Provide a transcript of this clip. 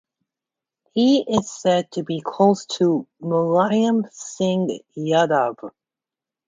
He is said to be close to Mulayam Singh Yadav.